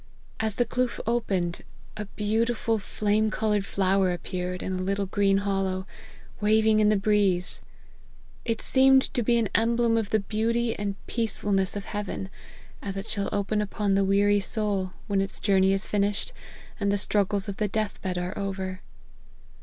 As the kloof opened, a beautiful flame coloured flower ap peared in a little green hollow, waving in the breeze. It seemed to be an emblem of the beauty and peacefulness of heaven, as it shall open upon the weary soul, when its journey is finished, and the struggles of the death bed are over.